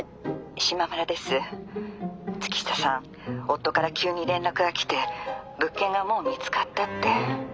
夫から急に連絡が来て物件がもう見つかったって。